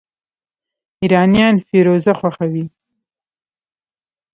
ایرانیان فیروزه خوښوي.